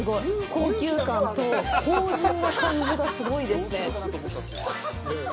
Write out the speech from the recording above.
高級感と芳じゅんな感じがすごいですね。